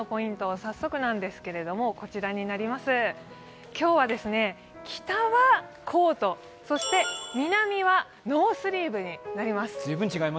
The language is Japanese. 早速ですけれども、今日は北はコート、南はノースリーブになります。